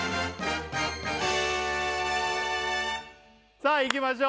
さあいきましょう